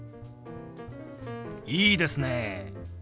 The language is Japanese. いいですね！